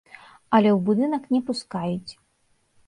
Але ў будынак не пускаюць.